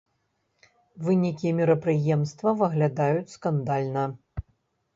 Вынікі мерапрыемства выглядаюць скандальна.